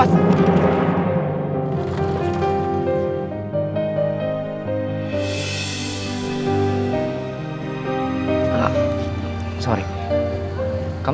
saya hantar ke dalam ya